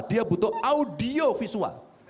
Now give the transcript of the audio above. dia butuh audio visual